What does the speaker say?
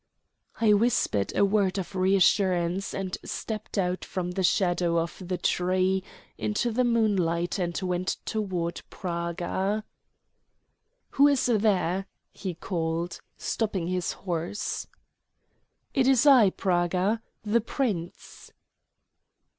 I whispered a word of reassurance, and stepped out from the shadow of the tree into the moonlight and went toward Praga. "Who is there?" he called, stopping his horse. "It is I, Praga the Prince."